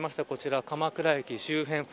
こちら、鎌倉駅周辺。